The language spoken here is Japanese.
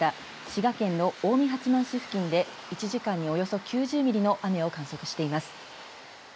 滋賀県の近江八幡市付近で１時間におよそ９０ミリの雨を観測しています。